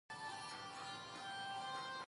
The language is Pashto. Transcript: پښتو ګرامر باید زده شي.